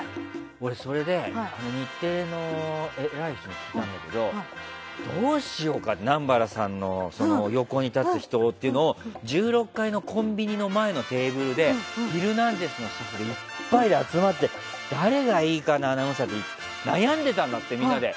俺、それで日テレの偉い人に聞いたんだけどどうしようか南原さんの横に立つ人をっていうのを１６階のコンビニの前のテーブルで「ヒルナンデス！」のスタッフいっぱいで集まって誰がいいかな、アナウンサーって悩んでたんだって、みんなで。